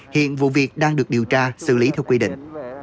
hiện vụ việc đang được điều tra xử lý theo quy định